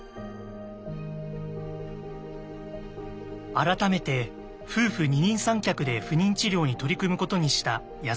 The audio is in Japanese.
改めて夫婦二人三脚で不妊治療に取り組むことにした矢沢さんたち。